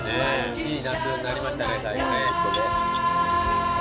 いい夏になりましたね。